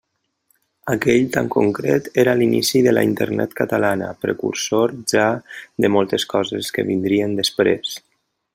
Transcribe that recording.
Aquell, tan concret, era l'inici de la Internet catalana, precursor ja de moltes coses que vindrien després.